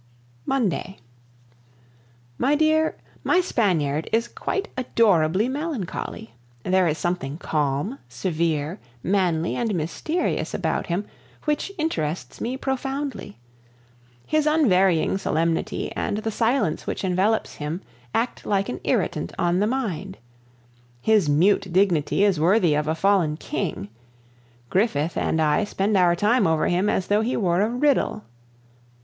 Monday. My dear, my Spaniard is quite adorably melancholy; there is something calm, severe, manly, and mysterious about him which interests me profoundly. His unvarying solemnity and the silence which envelops him act like an irritant on the mind. His mute dignity is worthy of a fallen king. Griffith and I spend our time over him as though he were a riddle.